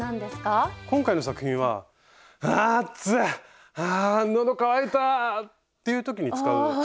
今回の作品は「あ暑い！あ喉渇いた！」っていう時に使うあれです。